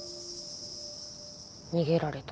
逃げられた。